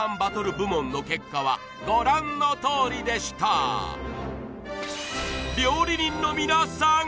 部門の結果はご覧のとおりでした料理人の皆さん